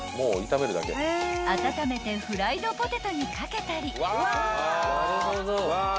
［温めてフライドポテトに掛けたり］